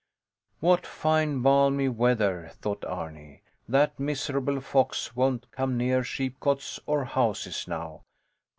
What fine balmy weather, thought Arni. That miserable fox won't come near sheepcotes or houses now.